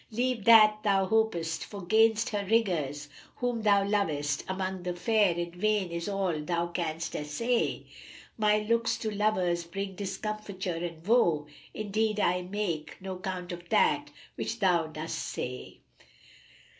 Leave that thou hop'st, for 'gainst her rigours whom thou lov'st * Among the fair, in vain is all thou canst essay. My looks to lovers bring discomfiture and woe: Indeed, * I make no count of that which thou dost say."